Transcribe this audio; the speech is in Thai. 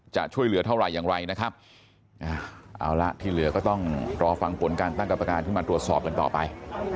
จะช่วยเหลือเท่าไหร่อย่างไรนะครับเอาละที่เหลือก็ต้องรอฟังผลการตั้งกรรมการขึ้นมาตรวจสอบกันต่อไป